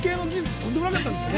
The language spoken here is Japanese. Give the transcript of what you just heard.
とんでもなかったですよね。